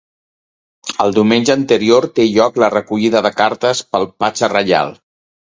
El diumenge anterior té lloc la recollida de cartes pel patge reial.